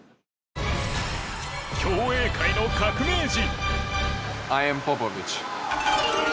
競泳界の革命児。